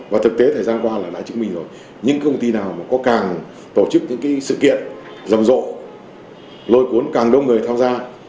và thực tế thời gian qua là đã chứng minh rồi những công ty nào có càng tổ chức những sự kiện rầm rộ lôi cuốn càng đông người tham gia